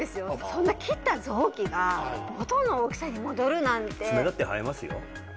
そんな切った臓器が元の大きさに戻るなんて爪だって生えますよ